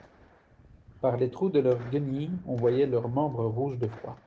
Par les trous de leurs guenilles, on voyait leurs membres rouges de froid.